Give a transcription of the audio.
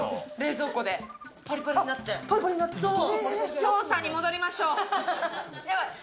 捜査に戻りましょう。